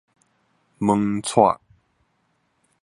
門掣